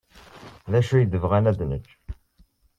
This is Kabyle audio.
D acu ay aɣ-bɣan ad neg?